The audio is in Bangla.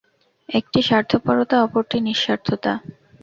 একটি স্বার্থপরতা, অপরটি নিঃস্বার্থতা।